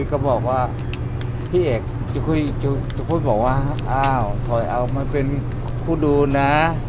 ผมก็บอกพี่เอกจะพูดพอว่าเอ้าไทยเอามาเป็นผู้ดูนะ